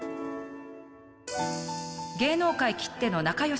芸能界きっての仲良し